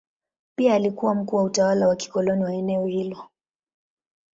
Pia alikuwa mkuu wa utawala wa kikoloni wa eneo hilo.